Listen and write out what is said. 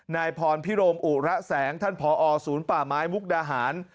นายพรพิรมอุระแสงท่านผอศูนย์ป่าไม้มุกดาหาร